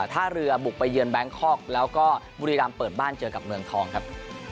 ท่าเรือบุกไปเยือนแบงคอกแล้วก็บุรีรำเปิดบ้านเจอกับเมืองทองครับ